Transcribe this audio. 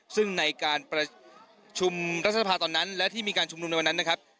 ซึ่งในการประชุมรัฐสภาตอนนั้นและที่มีการชุมนุมในวันนั้นนะครับ